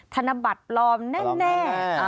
ธนบัตรปลอมแน่